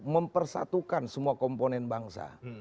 mempersatukan semua komponen bangsa